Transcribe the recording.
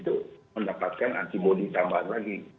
itu mendapatkan antibody tambahan lagi